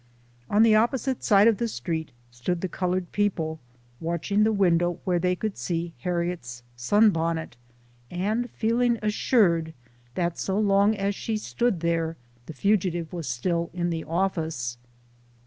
On the opposite side of the street stood the colored people, watching the win dow where they could see Harriet's sun bonnet, and feeling assured that so long as she stood there, the fugitive was still in the office.